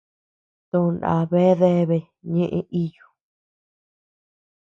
To nda bea deabea ñeʼe iyu.